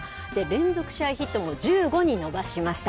連続試合ヒットも１５に伸ばしました。